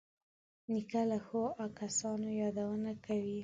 نیکه له ښو کسانو یادونه کوي.